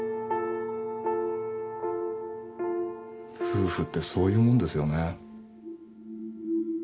夫婦ってそういうもんですよね。